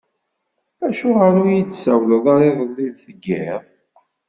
Acuɣer ur yi-d-tessawleḍ ara iḍelli deg yiḍ?